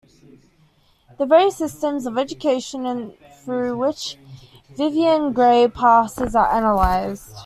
The various systems of education through which Vivian Grey passes are analysed.